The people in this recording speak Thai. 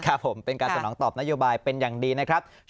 ครับผมเป็นการสนองตอบนโยบายเป็นอย่างดีนะครับ